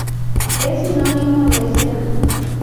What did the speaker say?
Es sinónimo de escena.